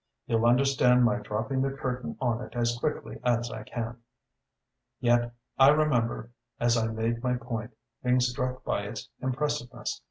You'll understand my dropping the curtain on it as quickly as I can.... "Yet I remember, as I made my point, being struck by its impressiveness.